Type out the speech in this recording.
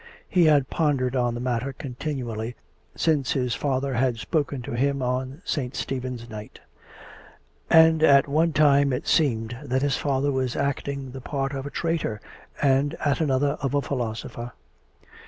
He had pondered on the matter continually since his father had spoken to him on Saint Stephen's night ; and at one time it seemed that his father was acting the part of a traitor and at another of a philosopher.